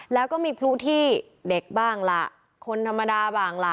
แล้วก็มีพลุที่เด็กบ้างล่ะคนธรรมดาบ้างล่ะ